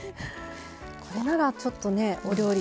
これならちょっとねお料理